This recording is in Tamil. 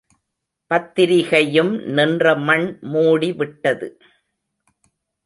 பத்திரிகையும் நின்ற மண் மூடி விட்டது.